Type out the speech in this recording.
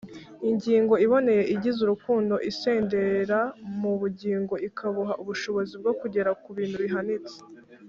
ingingo iboneye igize urukundo isendera mu bugingo ikabuha ubushobozi bwo kugera ku bintu bihanitse,